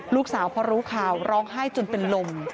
ลูกสาวพอรู้ข่าวร้องไห้จนเป็นลม